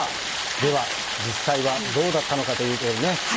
では実際はどうだったのかというところでね。